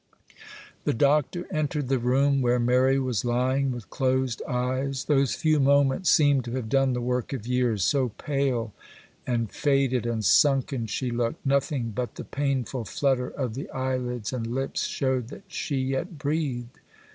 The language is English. The Doctor entered the room where Mary was lying with closed eyes. Those few moments seemed to have done the work of years,—so pale, and faded, and sunken she looked; nothing but the painful flutter of the eyelids and lips showed that she yet breathed.